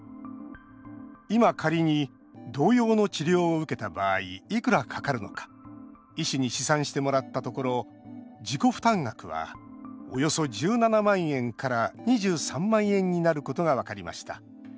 今、仮に同様の治療を受けた場合いくらかかるのか医師に試算してもらったところ自己負担額はおよそ１７万円から２３万円になることが分かりました。